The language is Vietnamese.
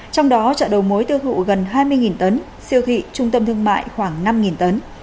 trong đó chợ đầu mối tiêu thụ gần hai mươi tấn siêu thị trung tâm thương mại khoảng năm tấn